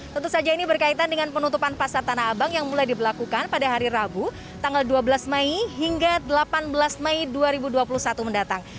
tentu saja ini berkaitan dengan penutupan pasar tanah abang yang mulai diberlakukan pada hari rabu tanggal dua belas mei hingga delapan belas mei dua ribu dua puluh satu mendatang